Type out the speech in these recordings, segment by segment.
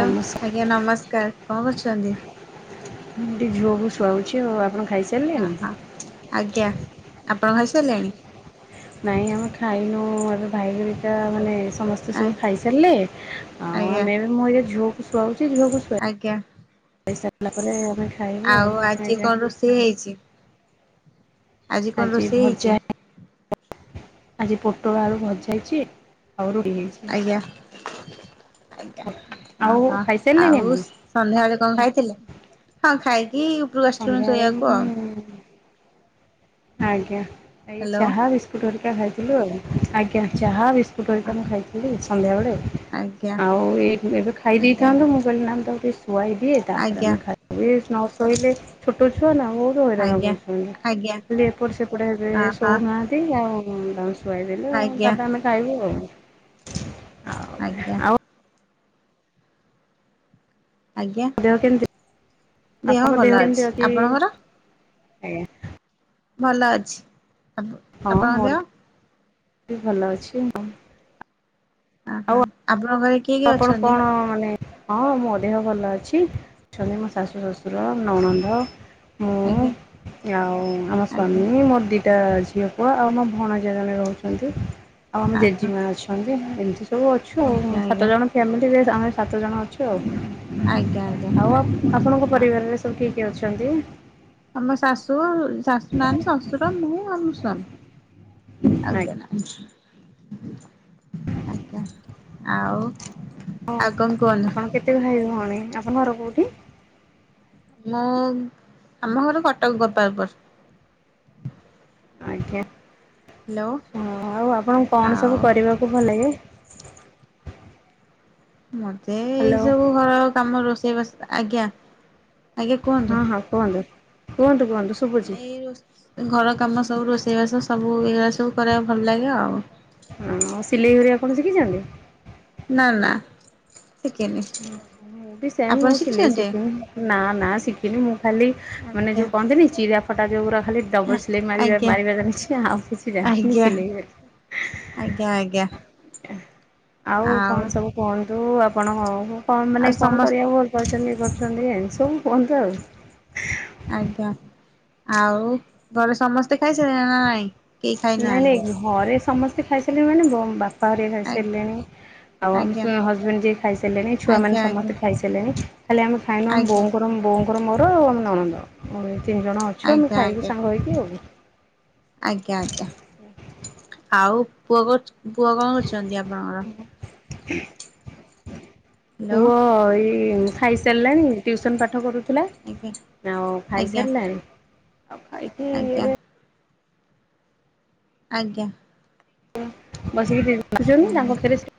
Hello ଆଜ୍ଞା ନମସ୍କାର କଣ କରୁଛନ୍ତି। ମୁଁ ଟିକେ ଝୁଅକୁୁ ଶୁଆଉଛି ଆଉ ଆପଣ ଖାଇସା ଓହୋ ଆଜ୍ଞା ଆପଣ ଖାଇସାରିଲେଣି। ନାଇଁ ଆମେ ଖାଇନୁ ଏବେ ଭାଇହେରିକା ମାନେ ସମ ଆ ସେସବୁ ଖାଇସାରିଲେ ଆଉ ଆଜ୍ଞା ଆମେ ଏବେ ମୁଁ ଏଇଯୋଉ ଝୁଅକୁ ଶୁଆଉଚି ଝିଅକୁ ଆଜ୍ଞା। ଖାଇସିଲା ପରେ ଆମେ ଖାଇବ ଆଉ ଆାଜ୍ଞା। ଟି ହେଇଚି। ଆଜି କଣ ରୋଷେଇ ହେଇଚି? ଆଜି ପୋଟଳ ଆଳୁ ଭଜା ହେଇଛି ଆଉ ରୁଟି ହେଇ ଆଜ୍ଞା ଅ ଆଉ ହଁ ଖାଇସାରିଲେଣି ଆପଣ? ଆଉ ସନ୍ଧ୍ୟାବେଳେ କଣ ଖାଇଥିଲେ ହଁ ଖାଇକି ଉପରୁକୁ ଅସିଚୁ ଏଇ ସନ୍ଧ୍ୟାବେଳେ ଶୋଇବାକୁ ଆଉ। ମୁଁ ଆଜ୍ଞା ଏଇ ହ୍ୟାଲୋ ଚହା ବି କୁଟୁ ହେରିକା ଖାଇଥିଲୁ ଆଉ ଆଜ୍ଞା ଚାହା ବିସ୍କୁଟ୍ ହରିକା ମୁଁ ଖାଇଥିଲି ସନ୍ଧ୍ୟାବେଳେ। ଆଜ୍ଞା ଆଉ ଏବେ ଏବେ ଖାଇ ଆଜ୍ଞା ଦେଇେଇଥାନ୍ତୁ ମୁଁ କହିଲି ନା ମୁଁ ଟିକେ ଶୁଆଇ ଦିଏ ଆଜ୍ଞା ତାପରେ ଆଜ୍ଞା ଆମେ ଖାଇ ବି ନ ଶୋଇଲେ ଛୋଟ ଛୁଆ ନା ମୁଁ ମୁଁ ହଇରାଣ ଆଜ୍ଞା କହୁଛନ୍ତି ଆଜ୍ଞା ଖାଲି ଏପଟେ ସେପଟେ ହେବେ ହଁ ହଁ ଶୋଉନାହାନ୍ତି ଆଉ ଡା ଖୁଆଇଦେଲେୁ ଆଜ୍ଞା ତାପରେ ଆମେ ଖାଇବୁ ଆଉ। ଆଉ ଆଜ୍ଞା। ଆଉ ଆଜ୍ଞା। ଦେହ କେମତି ଆପଣଙ୍କ ଭଲ ଦେହ ଅଛି କେମତି ଅତି ଆପଣଙ୍କର? ଆଜ୍ଞା। ଭଲ ଅଛି ଆପ ହଁ ଆପଣଙ୍କ ମୋର ଦେହ। ଭଲ ଅଛି। ଆ ହାଁ ଆପଣଙ୍କ ଘରେ କିଏ କିଏ ଅଛନ୍ତି। ହଁ ମାନେ ହଁ ମୋ ଦେହ ଭଲ ଅଛି। ଅଛନ୍ତି ମୋ ଶାଶୁ ଶ୍ୱଶୁର ନନନ୍ଦ। ମୁଁ ଆଜ୍ଞା ଆଉ ଆମ ଆଜ୍ଞା ସ୍ଵାମୀ ମୋ ଦୀ। ଟା ଝିଅ ପୁଅ ଆଉ ଆମ ଭଣଜା ଜଣେ ରହୁଛନ୍ତି ଆଉ ଆମ ଓହୋ ଜେଜୀମା ଅଛନ୍ତି ଏମିତି। ସବୁ ଅଛୁ ଆଜ୍ଞା ଆଉ। ଆଜ୍ଞା ଫାମିଲିରେ ଆମେ ସାତ ଜଣ ଅଛୁ ଆଉ ଆଜ୍ଞା ଆଜ୍ଞା। ଆଉ ଆପ ଆପଣଙ୍କ ହଁ ପରିବାରରେ। ସବୁ କିଏ କିଏ ଅଛନ୍ତି। ଆମ ଶାଶୁ ଶାଶୁ ନାହାନ୍ତି ଶ୍ୱଶୁର ମୁଁ ଆଉ ମୋ ସ୍ଵାମି। ଆଉ କିଏ ଆଜ୍ଞା ନାହାନ୍ତି। ଆଜ୍ଞା ଆଉ ଆଉ କଣ ଆପଣ କୁହନ୍ତୁ। କେତେ ଭାଇ ଭଉଣୀ ଆପଣଙ୍କ ଘର କୋଉଠି। ମୁଁ ଆମ ଘର କଟକ ଗୋପାଳପୁର। ଆଜ୍ଞା ହ୍ୟାଲୋ ଆଛା ଆଉ ଆପଣଙ୍କୁ କଣ ଆଉ ସବୁ କରିବାକୁ ଭଲ ଲାଗେ। ମତେ ଏଇ ହ୍ୟାଲୋ ସବୁ ଘର କାମ ରୋଷେଇ ବାସ ଆଜ୍ଞା। ଆଜ୍ଞା କୁହନ୍ତୁ। ହଁ ହଁ କୁହନ୍ତୁ କୁହନ୍ତୁ କୁହନ୍ତୁ। ଶୁଭୁଛି ମୁଁ ଏଇ ରୋ ଘର କାମ ସବୁ ରୋଷେଇ ବାସ ସବୁ ଏଗୁରା ସବୁ କରିବାକୁ ଭଲ ଲାଗେ ଆଉ। ହଁ ଆଉ ସିଲେଇ ଘରିଆ ଆପଣ ଶିଖିଛନ୍ତି। ନା ନା। କେନି। ମୁଁ ବି ସେମ ମୁଁ ସିଲେଇ ଶିଖିନି ନା ନା ଶିଖିନି ମୁଁ ଖାଲି ମାନେ ଆଜ୍ଞା ଯୋଉ କହନ୍ତିନି ଚିରା। ଫଟା ଯୋଗୁୁରା ଖାଲି ଡବଲ ସିଲେଇ ମାରିବା ଆଜ୍ଞା ମାରିବା ଜାଣିଛି ଆଉ କିଛି ଜାଣିନି ଆଜ୍ଞା ସିଲେଇ ଘ ଆଜ୍ଞା ଆଜ୍ଞା। ଆଉ କଣ ସବୁ କୁହନ୍ତୁ ଆପଣଙ୍କୁ କଣ ଆଉ ମାନେ କଣ ସମସ୍ତ କରିବାକୁ ଭ ଯାଉଛନ୍ତି ଇଏ କରୁଛନ୍ତି ଏମତି ସବୁ କୁହନ୍ତୁ ଆଉ‌ ଆଜ୍ଞା ଆଉ ଘରେ ସମସ୍ତେ ଖାଇ ସାଇଲେଣି ନା ନାଇଁ। କେହି ନାଇଁ ଖାଇନାହାନ୍ତି? ନାଇଁ ଘରେ ସମସ୍ତେ ଖାଇ ସାଇଲେଣୀ ମାନେ ବ ବାପା। ତ ରେ ଆଜ୍ଞା ଖାଇସାରିଲଣି ଆଉ ଆଜ୍ଞା ଆମ ହଜବେଣ୍ଡ ଯିଏ ଖାଇସାରିଲେଣି ଛୁଆ ମାନ ଆଜ୍ଞା ଆଜ୍ଞା ସମସ୍ତେ ଖାଇସା ଇଲେଣି ଖାଲି ଆମେ ଖାଇନୁ ଆମ ଆଜ୍ଞା ବୋଉଙ୍କର ବୋଉଙ୍କର ମୋର ଆମ ନଣନ୍ଦ ଏଇ ତିନି ଜଣ ଅ ଅଛୁ ଆମେ ଆଜ୍ଞା ଖାଇବୁ ଆଜ୍ଞା। ସାଙ୍ଗ ହେଇକି ଆଉ। ଆଜ୍ଞା ଆଜ୍ଞା ଆଉ ପୁଅ କୋ ପୁଅ କଣ କରୁଛନ୍ତି ଆପଣଙ୍କର। ହ୍ୟାଲୋ ପୁଅ ଏଇ ଖାଇସାରିଲାଣି ଟ୍ୟୁସନ ପାଠ କରୁଥିଲା। ଆଜ୍ଞା ଆଉ ଆଜ୍ଞା ଖାଇସାରିଲାଣି ଆଉ ଖାଇକି ଆଜ୍ଞା ଏବେ। ଆଜ୍ଞା। ବସିକି ଟିଭି ଦେଖୁଛନ୍ତି ତାଙ୍କ ଆଜ୍ଞା ପାଖେ ରେ ସେ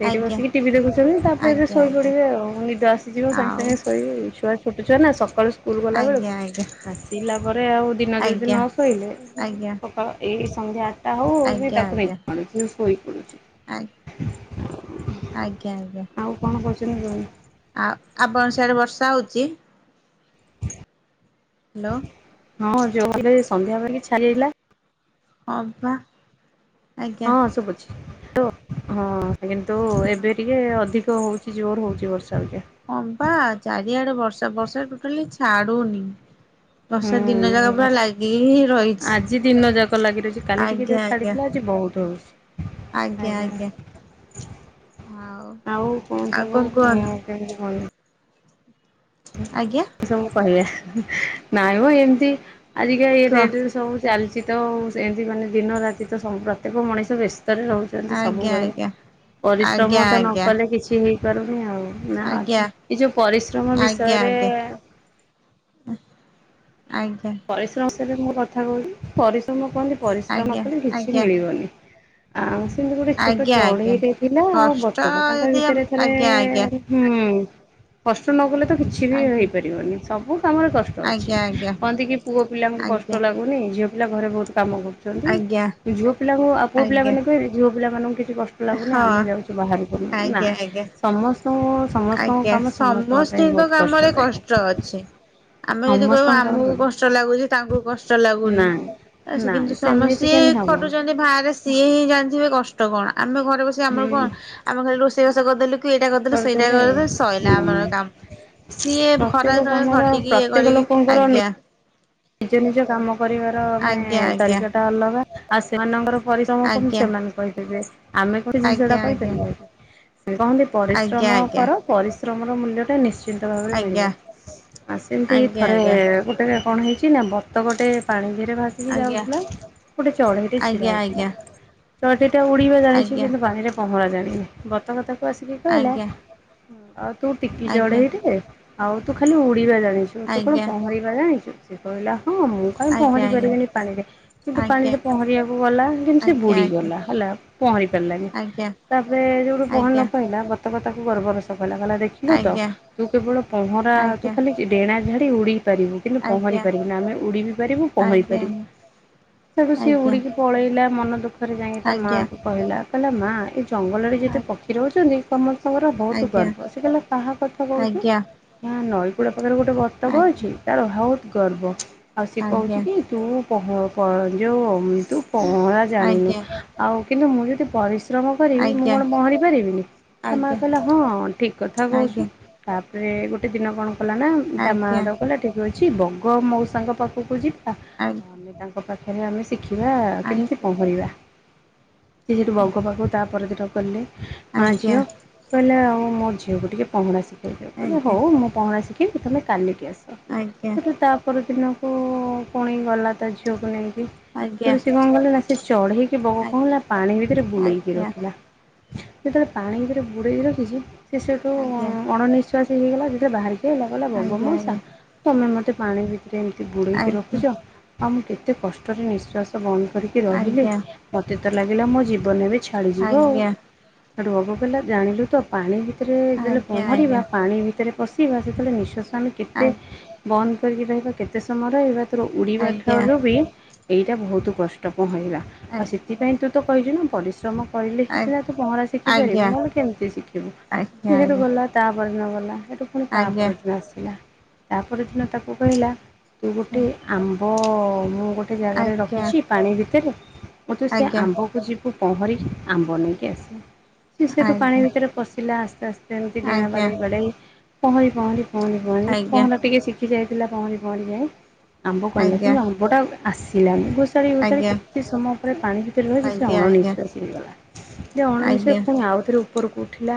ସେଇଠି ଆଜ୍ଞା ବସିକି ଟିଭି ଦେଖୁଛନ୍ତି ତାପରେ ସେ ଆଜ୍ଞା ଶୋଇ ଆଜ୍ଞା ପଡିବେ ଆଉ ନିଦ ଆସିଯିବ ସାଙ୍ଗେ ଆଉ ସାଙ୍ଗେ। ସେଇବେ ଛୁଆ ଛୋଟ ଛୁଆ ନା ସକାଳୁ ସ ସ୍କୁଲ ଆଜ୍ଞା ଗଲାବେଳକୁ ଆଜ୍ଞା ଆସିଲା ପରେ ଆଉ ଦିନ ଯଦି ଆଜ୍ଞା ନ ଶୋଇିଲଲେ। ଆଜ୍ଞା ଏଇ ସନ୍ଧ୍ୟା ଆଠଟା ହଉ ହଉ ବି ଆଜ୍ଞା ତାକୁ ଆଜ୍ଞା ନିଜ ମାଡ଼ୁଛି ସେ ଶୋଇ ପଡୁଛି। ଆଜ୍ଞା ଆଜ୍ଞା। ଆଉ କଣ କହୁଛନ୍ତି କୁହନ୍ତୁ। ଆଉ ଆପଣ ସିଆଡେ ବର୍ଷା ହଉଛି। ହାଲୋ। ହଁ ଯୋରେ ଏଇ ସନ୍ଧ୍ୟାବେଳେ ଟିକେ ଛାଡିଜାଇଥିଲା‌। ହଁ ବା। ଆଜ୍ଞା ହଁ ସୁବୁଛି ହଁ କିନ୍ତୁ ଏବେ ଟିକେ ଅଧିକ। ହେଉଛି ଜୋର ହେଉଛି ବର୍ଷା ଅବିକା। ହଁ ବା ଚାରିଆଡେ ବର୍ଷା ବର୍ଷା ଟୋଟାଲି ଛାଡୁନି। ବର୍ଷା ଦିନ ଯାକ ପୁରା ହୁଁ ଲାଗିିକି ହି ଆଜି ରହିଛି ଦିନ ଯାକ ଲାଗି ରହିଛି କାଲି ଟିକେ ଯା ଆଜ୍ଞା ଆଜ୍ଞା। ଛାଡିଥିଲା [inaudible] ଆଜ୍ଞା ଆଉ କଣ ଆଉ ସବୁ? କୁହନ୍ତୁ [unintelligible] ଆଜ୍ଞା ସବୁ କହିବା ନାଇଁ ମ ଏମିତି ଆଜିକା ଏ କୁହ ଡଟରେ ସବୁ ଚାଲିଛି ତ ସେମିତି ମାନେ ଦିନ ରାତି ତ ପ୍ରତ୍ୟେକ ମଣିଷ ବ୍ୟସ୍ତରେ ରହୁଛି। ଆଜ୍ଞା ସବୁବେଳେ ଆଜ୍ଞା ଆଜ୍ଞା ପରିଶ୍ରମ ତ ନ ଆଜ୍ଞା କଲେ କିଛି ହେଇ ପାରୁନି ଆଉ ନା ଆଜ୍ଞା ଏ ଯୋଉ ପରିଶ୍ରମ ବିଷ ଆଜ୍ଞା ଆଜ୍ଞା ଆଜ୍ଞା। ପରିଶ୍ରମ ସଇଲେ ମୋ କଥା କହୁଛି ପରିଶ୍ରମ କୁହନ୍ତି ପରିଶ୍ରମ ଆଜ୍ଞା କଲେ କିଛି ଆଜ୍ଞା ମିଳିବନି। ଆଉ ସେମିତି ଗୋଟେ ଛୋଟ ଆଜ୍ଞା ଆଜ୍ଞା। ଚଢ଼େଇଟେ ଥିଲା ଆଉ କଷ୍ଟ ବତକ ତାଙ୍କ ଯଦି ଆମ୍ ଭିତରେ ଥରେ ଆଜ୍ଞା ଆଜ୍ଞା ହୁଁ କଷ୍ଟ ନଗଲେ ତ କିଛି ବି ଆଜ୍ଞା ହେଇପାରିବନି ସବୁ କାମରେ କଷ୍ଟ ଅଛି। ଆଜ୍ଞା କହନ୍ତି କି ପୁଅ ପିଲାଙ୍କୁ ଆଜ୍ଞା। କଷ୍ଟ ଲାଗୁନି ଝିଅ ପିଲା ଘରେ ବହୁତ କାମ ଆଜ୍ଞା କରୁ ଆଜ୍ଞା ଝିଅ ପିଲାଙ୍କୁ ଆଉ ପୁଅ ଆଜ୍ଞା ପିଲାମାନେ କହିବେ ଝିଅ ପିଲା ମାନଙ୍କୁ କିଛି କଷ୍ଟ ଲାଗୁନି ହଁ ଆମେ ଯାଉଛୁ ବାହାରକୁ ଆଜ୍ଞା ନାହିଁ ଆଜ୍ଞା। ସମସ୍ତଙ୍କ ଆଜ୍ଞା କାମ ସମସ୍ତଙ୍କ ପାଇଁ ସମସ୍ତିଙ୍କ ବହୁତ କାମରେ କଷ୍ଟଦାୟକ କଷ୍ଟ ଅଛି ଆମେ ଯଦି କହିବା ସମସ୍ତଙ୍କ କାମ ଆମକୁ କଲେ କଷ୍ଟ ଲାଗୁଛି ତାଙ୍କୁ କଷ୍ଟ ଲାଗୁନି। ନାଇଁ କିନ୍ତୁ ନାଇଁ ସେମିତି ସମସ୍ତେ କେମିତି ହବ ଖଟୁଛନ୍ତି ବାହାରେ। ସିଏ ହିଁ ଜାଣିଥିବେ କଷ୍ଟ କଣ ଆମେ ଘରେ ବସି ଆମର କଣ ହୁଁ ଆମ ଖାଲି ରୋଷେଇବାସ କରିଦେଲୁ କି ଏଇଟା ସେଇଟା କରିଦେଲେ ଆଉ କରିଦେ ସରିଲା ଆମର ହୁଁ କାମ। ସିଏ ଖରା ପ୍ରତ୍ୟେକ ଯେତଳେ କାମର ଖଟିକି ଇଏ ପ୍ରତ୍ୟେକ କରିକି ଲୋକଙ୍କର ନି ଆଜ୍ଞା। ନିଜ ନିଜ କାମ କରିବାର ମାନେ ଆଜ୍ଞା ତାରିକାଟା ଅଲଗା। ଆଉ ସେମାନଙ୍କର ପରିଶ୍ରମକୁ ଆଜ୍ଞା ସେମାନେ କହିପାରିବେ ଆମେ କଣ ସେଇ ଜିନିଷଟା ଆଜ୍ଞା ଆଜ୍ଞା କହିପାରିବା କି? କହନ୍ତି ପରିଶ୍ରମ ଆଜ୍ଞା କର ପରିଶ୍ରମର ମୂଲ୍ୟ ଟା ନିଶ୍ଚିତ ନିଶ୍ଚିନ୍ତ ଭାବରେ ଆଜ୍ଞା ମିଳିବ ଆ ସେମତି ଥରେ ଆଜ୍ଞା ଗୋଟେ କଣ ହେଇଛି କି ନା ବତକ ଟେ ପାଣିିରେ ଭାସିକି ଆଜ୍ଞା ଯାଉଥିଲା ଗୋଟେ ଚଢେଇରେ ଛିଡା ହେଇଥିଲା। ଆଜ୍ଞା ଆଜ୍ଞା ଚଢେଇ ଟା ଉଡିବା ଜାଣିଛି କିନ୍ତୁ ପାଣିରେ ପହଁରା ଜାଣିନି ଗତ କଥାକୁ ଆସିକି କହିଲା ଆଜ୍ଞା ଆଉ ତୁ ଟିକି ଆଜ୍ଞା ଆଜ୍ଞା ଚଢ଼େଇ ଟେ ଆଉ ତୁ ଖାଲି ଉଡ଼ିବା ଜାଣିଛୁ ତୁ କଣ ଆଜ୍ଞା ପହଁରିବା ଜାଣିଛୁ? ସେ କହିଲା ହଁ ମୁଁ ଆଜ୍ଞା କାହିଁ ପହଁରି ଆଜ୍ଞା ପାରିବିନି ପାଣିରେ? କିନ୍ତୁ ଆଜ୍ଞା ପାଣିରେ ଆଜ୍ଞା ପହଁରିବାକୁ ଗଲା କିନ୍ତୁ ସେ ଆଜ୍ଞା ଆଜ୍ଞା ବୁଡିଗଲା ହେଲା ପହଁରି ପାରିଲାନି। ଆଜ୍ଞା ତାପରେ ଯୋଉଠୁ ପହଁରି ନ ପାଇଲା କଥାକୁ ଗର୍ବର ସହ କଲା କଲା ଦେଖିଲୁ ତୁ କେବଳ ପହଁରା ତୁ ଖାଲି ଡେଣା ଝାଡି ଉଡେଇ ପାରିବୁ କିନ୍ତୁ ପହଁରି ପାରିବୁ ନା ଆମେ ଉଡି ବି ପାରିବୁ ଆଜ୍ଞା ଆଜ୍ଞା ଆଜ୍ଞା ଆଜ୍ଞା ଆଜ୍ଞା ଆଜ୍ଞା ଆଜ୍ଞା ଆଜ୍ଞା ଆଜ୍ଞା ଆଜ୍ଞା ଆଜ୍ଞା ପହଁରି ପାରିବୁ ଆଜ୍ଞା ତାକୁ ସିଏ ଉଡିକି ପଳେଇଲା ମନ ଦୁଃଖରେ ଯାଇକି ତା ମାଆ କୁ କହିଲା କହିଲା ମା ଜଙ୍ଗଲରେ ଯେତେ ପକ୍ଷୀ ରହୁଛନ୍ତି ସମସ୍ତଙ୍କର ବହୁତ ଗର୍ବ ସେ କହିଲେ କାହା କଥା କହୁଛୁ? ଆ ନଈ କୂଳ ପାଖରେ ଗୋଟେ ବତକ ଅଛି ତାର ବହୁତ ଗର୍ବ ଆଉ ସିଏ କହୁଛି କି ତୁ ପହଁରା ଯୋଉ ତୁ ପହଁରା ଜାଣିନୁ। ଆଉ କିନ୍ତୁ ମୁଁ ଯଦି ପରି ଶ୍ରମ ଆଜ୍ଞା ଆଜ୍ଞା କରିବି ମୁଁ ଆଜ୍ଞା କଣ ପହଁରି ପାରିବିନି ସେ ମା ଆଜ୍ଞା କହିଲା ହଁ ଠିକ କଥା ଆଜ୍ଞା କହୁଛୁ। ତାପରେ ଗୋଟେ ଦିନ କଣ କଲା ନା ତା ଆଜ୍ଞା ମାଆ ତାକୁ କହିଲା ଠିକ୍ ଅଛି ଏବଂ ବଗ ମୋ ସାଙ୍ଗ ପାଖକୁ ଯିବା। ଆ ଆମେ ତାଙ୍କ ପାଖରେ ଆମେ ଶିଖିବା କେମିତି ଆଜ୍ଞା ପହଁରିବା? ସେ ସେଇଠୁ ବଗ ପାଖକୁ ତାପର ଦିନ ଗଲେ ମାଆ ଆଜ୍ଞା ଝିଅ। କହିଲେ ଆଉ ମୋ ଝିଅକୁ ଟିକେ ପହଁରା ଶିଖାଇ ଦେବି କହିଲେ ଆଜ୍ଞା ହଉ ମୁଁ ପହଁରା ଶିଖେଇ ଦେବି ତମେ କାଲିକି ଆସ। ଆଜ୍ଞା। ସେଠୁ ତା ପରଦିନକୁ ପୁଣି ଗଲା ତା ଝିଅକୁ ନେଇକି। ଆଜ୍ଞା ତ ସେ କଣ କହିଲି ନା ସେ ଚଢେଇକି ବଗ କଣ କଲା ପାଣି ଭିତରେ ବୁଳେଇକି ଆଜ୍ଞା ରଖିଲା। ଯେତେବେଳେ ଆଜ୍ଞା ପାଣିରେ ବୁଡେଇ ରଖିଛି ସେ ସେଠୁ ଆଜ୍ଞା ଆଜ୍ଞା ଅଣ ନିିଶ୍ଵାସ ହେଇ ହେଇଗଲା ଯେତେବେଳେ ବାହା କହିଲା ବଗ ମଉସା ତମେ ମତେ ପାଣି ଭିତରେ ଏମିତି ଆଜ୍ଞା ବୁଡେଇକି ଆଜ୍ଞା ରଖୁଛ। ଆଉ ମୁଁ କେତେ କଷ୍ଟରେ ନିଃଶ୍ୱାସ ବନ୍ଦ କରି ରହିଲି ଆଜ୍ଞା ମତେ ତ ଲାଗିଲା ମୋ ଜୀବନ ଏବେ ଛାଡିଯିବ ଆଉ। ସେଠୁ ହବ କଇଲା ଜାଣିଲୁ ତ ପାଣି ଭିତରେ, ଯେତେବେଳେ ଆଜ୍ଞା ଆଜ୍ଞା ଆଜ୍ଞା ଆଜ୍ଞା ପହଁରିବା ଆଜ୍ଞା ପାଣି ଭିତରେ ପସ୍ ଟି ଯେତେବେଳେ ନିଶ୍ୱାସ ଆମେ କେତେ ବନ୍ଦ କରିକି ରହିବା, କେତେ ସମୟ ରହିବା ସେର ଆଜ୍ଞା ଆଜ୍ଞା ଉଡ଼ିିବାଠାରୁ ବି ଏଇଟା ବହୁତ କଷ୍ଟ, ପହଁରିବା ଆଉ ସେ ଥିପାଇଁ, ତୁ ତ କହିଚୁ ନା ପରିଶ୍ରମ କହିଲେଖି ସିନା ତୁ ପହଁରା ଶିଖି ପାରିବୁ, ନହେଲେ କେମିତି ଶିଖିବୁ ସେ ସେଟୁ ଗଲା ତାପର ଦିନ ଗଲା, ସେଠୁ ପୁଣି ତା ପରଦିନ ଆସିଲା, ତାପରେ ଦିନ ତାକୁ କହିଲା ତୁ ଗୋଟେ ଆମ୍ବ ମୁଁ ର ଗୋଟେ ଜାଗାରେ ରଖିଚି ପାଣି ଭିତରେ ମୁଁ ତୁ ସେ ଆମ୍ବକୁ ଯିବୁ ପହଁରିକି ଆମ୍ବ ନେଇକି ଆସିବୁ। ସେ ସେଇଠୁ ପାଣି ଭିତରେ ପଶିଲା ଆସ୍ତେ ଆସ୍ତେ ଏମିତି ଡେଣା ବାଡ଼େଇ ବାଡ଼େଇ ପହଁରି ପହଁରି ପଉଣି ପଉଣି ପହଁରା ଟିକେ ଶିଖି ଯାଇଥିଲା ପହଁଣି ପହଁଣି ଯାଇ ଆମ୍ବ କଣ କଲା, ଆମ୍ବ ଟା ଆସିଲାନି ଘୋଷାଡ଼ି ଆଜ୍ଞା ଘୋଷାଡ଼ି କେତେ ସମୟ ପରେ ପାଣି ଭିତରେ ଆଜ୍ଞା ଆଜ୍ଞା ଆଜ୍ଞା ଆଜ୍ଞା ଆଜ୍ଞା ଆଜ୍ଞା ରହକି ସେ ଅଣ ଆଜ୍ଞା ନିିଶ୍ୱାସ ହେଇଗଲା। ଯେଣନ ଆଜ୍ଞା ଅଣନିଶ୍ୱାସୀ ହେଲା ଆଉଥରେ ଉପରକୁ ଉଠିଲା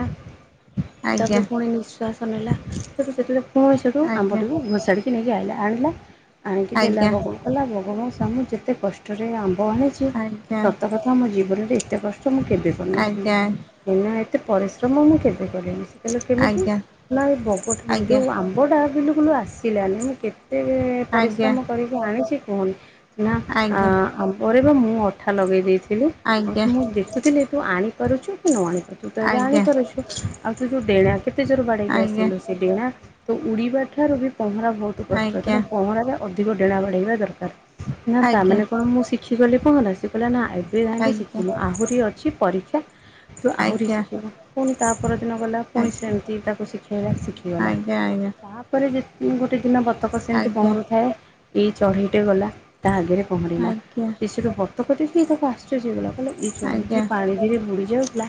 ଆଜ୍ଞା ତାପରେ ପୁଣି ନିଃଶ୍ୱାସ ନେଲା ସେ ସେତେବେଳେ ପୁ ସେଠୁ ଆଜ୍ଞା ଆମ୍ବଟିକୁ ଘୋଷାଡ଼ିକି ନେଇକି ଆଇିଲା, ଆଣିଲା ଆଣିକି ଦେଲା ବକୁୁ କଲା ଭଗବାନ ସାମୁ ଯେତେ କଷ୍ଟରେ ଆମ୍ବ ଆଣିଚି ଆଜ୍ଞା ସତକ ନା ମ ଜୀବନରେ ଏତେ କଷ୍ଟ ମୁଁ କେବେ ଆଜ୍ଞା କରିନଥିଲି, ଆଜ୍ଞା ହେନା ଏତେ ପରିଶ୍ରମ ମୁଁ କେବେ କରିନିି। ତେଣୁ କେମିତି, ଆଜ୍ଞା ନା, ଏ ବଗ ଆଜ୍ଞା ଯେଉଁ ଆମ୍ବଟା ବିଲୁ କଲୁ ଆସ ପିଲାମାନେ, ମୁଁ କେତେ ଆଜ୍ଞା ପରିଶ୍ରମ କରିକି ଆଣିଚି, କୁହନି ନା ଆଜ୍ଞା ପରେ ବା ମୁଁ ଅଠା ଲଗେଇ ଦେଇଥିଲି, ଆଜ୍ଞା ମୁଁ ଦେଖୁଥିଲି, ତୁ ଆଣିପାରୁଚୁ କି ନ ଆଣିପାରୁଚୁ। ତୁ ତବେ ଆଣି ପାରୁଛୁ ଆଉ ତୁ ଡେଣା କେତେ ଜୋରେ ବାଡ଼େଇକି ଆଜ୍ଞା ଆସିଲୁ। ସେଠ, ନା ତ ଉଡିବା ଠାରୁ ବି ପହଁରା ବହୁତ କଷ୍ଟ ଆଜ୍ଞା ତେଣୁ ପହଁରା ବା ଅଧିକ ଡେଣା ବଢ଼େଇବା ଦରକାର, ନା ଆଜ୍ଞା ତାମାନେ କଣ ମୁଁ ଶିଖିଗଲି ପହଁରା। ଶି କିଲା ନା ଏବେ ଯାଇ ବି ଆଜ୍ଞା ଶିଖିନୁ ଆହୁରି ଅଛି ପରୀକ୍ଷା ତୁ ଆହୁରି ଆଜ୍ଞା ଆଜ୍ଞା ଶିଖିବୁ। ପୁଣି ତା ପରଦିନ ଗଲା, ପୁଣି ଆଜ୍ଞା ସେମିତି ତାକୁ ଶିଖେଇଲା ଶିଖିଗଲା, ତାପରେ ଯେତ୍ ଉଁ, ଗୋଟେ ଦିନ ବତକ ସେମିତି ଆଜ୍ଞା ପହଁରୁଥାଏ, ଏଇ ଚଢ଼େଇଟେ ଗଲା ତା ଆଗରେ ପହଁରିଲା, ଆଜ୍ଞା ଆଜ୍ଞା ସେ ସେଠୁ ବତକ ଦେଖି ତାକୁ ଆସିଲ ସେକ ସେସ୍ ହେଇଗଲା, କଇଲା ଏ କେମିତି ଆଜ୍ଞା ପାଣି ଫ ବୁଡ଼ି ଯାଉଥିଲା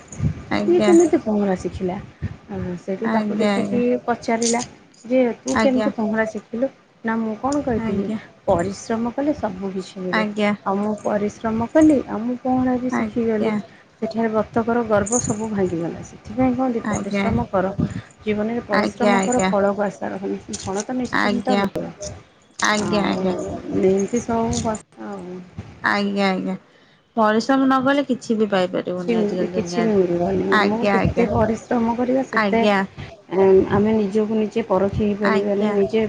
ଆଜ୍ଞା ଆଜ୍ଞା ଆଜ୍ଞା ଆଜ୍ଞା ଆଜ୍ଞା ଆଜ୍ଞା ଆଜ୍ଞା ଆଜ୍ଞା ଆଜ୍ଞା ସେ ଆଜ୍ଞା କେମିତି ପହଁରା ଶିଖିଲା, ସେଇଠି ତାକୁ ଦେଖିକି ପଚାରିଲା ଯେ ତୁ କେମିତି ଆଜ୍ଞା ପହଁରା ଶିଖିଲୁ? ନା, ମୁଁ କଣ କହିଥିଲି ପରିଶ୍ରମ କଲେ ସବୁ କିିଛି ମିଳେ। ଆଉ, ମୁଁ ପରିଶ୍ରମ କଲି, ଆଉ ମୁଁ ପହଁରା ବି ଶିଖିଗଲି। ସେଠୁ ଏ ବତକର ଗର୍ବ ସବୁ ଭାଙ୍ଗିଗଲା, ସେ ଏଥିପାଇଁ କୁହନ୍ତି, ପରିଶ୍ରମ କର ଜୀବନରେ ପରିଶ୍ରମ କର ଫଳକୁ ଆଶା ରଖନା କିନ୍ତୁ ଫଳ ତ ନିଶ୍ଚିନ୍ତ ଆଜ୍ଞା କରିବା, ଆଜ୍ଞା ଆଉ ଏମ୍ତି ସବୁ କଥା। ଆଉ ଆଜ୍ଞା ଆଜ୍ଞା। ପରିଶ୍ରମ ନକଲେ କିଛି କିଛି ବି ମିଳିବନି, ଆମକୁ ଆଜ୍ଞା ଯେତେ ଆଜ୍ଞା ପରିଶ୍ରମ କରିବା ସେତେ ଆଜ୍ଞା ଆମେ ନିଜକୁ ନି ନିଜେ ପରଖି ହେଇପାରିବା, ଆଜ୍ଞା ନିଜେ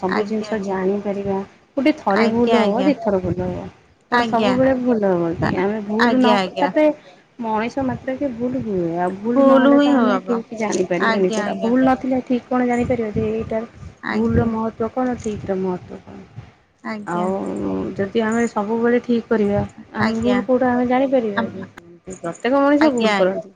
ସବୁ ଜିନିଷ ଆଜ୍ଞା ଜାଣିପାରିବା ଗୋଟେ ଥରେ ଆଜ୍ଞା ଭୁଲ ହବ ଆଜ୍ଞା ଦୁଇଥର ଭୁଲ ହବ କଣ ଆଜ୍ଞା ସବୁବେଳେ ଭୁଲ ହବ କି ଆମେ ଆଜ୍ଞା ଭୁଲ ନ କଲେ ଆଜ୍ଞା ତାପରେ ମଣିଷ ମାତ୍ରକେ ଭୁଲ ହୁଏ, ଆଉ ଭୁଲ ନହେଲେ ହିଁ ତ ଆମେ ହବ। ଠିକ୍ ଜାଣିପାରିବନି, ଆଜ୍ଞା କୋଉଟା ଆଜ୍ଞା ଭୁଲ ନଥିଲେ ଠିକ୍ କଣ ଜଣିପାରିବା, ଯେ ଏଇଟାରେ ଭୁଲର ଆଜ୍ଞା ମହତ୍ୱ କଣ ଠିକ୍ ର ମହତ୍ୱ କଣ? ଆଜ୍ଞା ଆଉ ଯଦି ଆମେ ସବୁବେଳେ ଠିକ୍ କରିବା ଆମେ ଆଜ୍ଞା ଭୁଲ୍ କୋଉଁଟା ଆମେ ଜାଣିପାରିବା ଆମ କି? ପ୍ରତ୍ୟେକ ମଣିଷ ଆଜ୍ଞା ଭୁଲ କରନ୍ତି,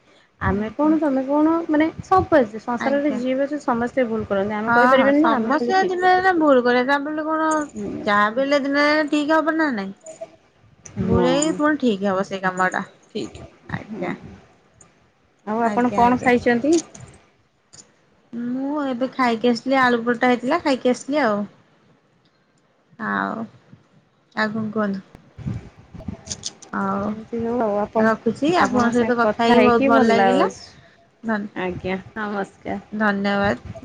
ଆମେ ଆଜ୍ଞା କଣ ତମେ କଣ ମାନେ ସବୁ ପରିସ୍ତି ସଂସାରରେ ଆଜ୍ଞା ଯିଏ ବି ଅଛ ସମସ୍ତେ ଭୁଲ କରନ୍ତି, ଆମେ ହଁ ହଁ କହିପାରିବନି କି ଆମେ ଖାଲି ସମସ୍ତେ ଦିନେ ଠିକ ଦିନେ କରୁଛେ। [inaudible] ବୁଲେ ଦିନ ଠିକ ହବ ନା ନାଇଁ, ହଁ ବୁଲେଇ ପୁଣି ଠିକ ହବ ସେ ଟମଡ ଠିକ୍। ଆଜ୍ଞା। ଆଉ ଆପଣ ଆଜ୍ଞା କଣ ଆଜ୍ଞା ଖାଇଚନ୍ତି? ମୁଁ ଏବେ ଖାଇକି ଆସିଲି ଆଳୁ ପର୍ଟା ହେଇଥିଲା ଖାଇକି ଆସିଲି ଆଉ। ଆଉ, ଆଉ କଣ କୁହନ୍ତୁ? [unintelligible] ଆଉ ଏମିତି ଯୋଉ ଆଉ ଆପଣ ଆପଣଙ୍କ ସାଙ୍ଗେ କଥା ହେଇକି ଭଲ ଲାଗୁଛି। ଆଜ୍ଞା ନମସ୍କାର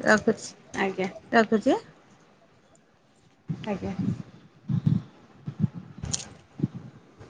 ଆଜ୍ଞା। ରଖୁଚି ଆଁ ଆଜ୍ଞା। [unintelligible]